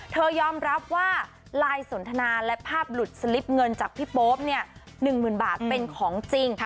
ยอมรับว่าไลน์สนทนาและภาพหลุดสลิปเงินจากพี่โป๊ป๑๐๐๐บาทเป็นของจริง